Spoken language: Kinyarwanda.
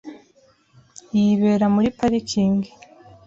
Yibera muri parikingi .